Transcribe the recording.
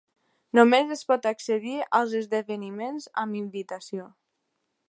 Només es pot accedir als esdeveniments amb invitació.